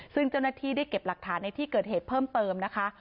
ซึ่งเจ้าหน้าที่ได้เก็บหลักฐานในที่เกิดเหตุเพิ่มเติมนะคะ